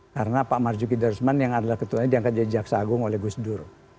karena pak marjuki darsman yang adalah ketuanya diangkat jadi jaksa agung oleh gus duru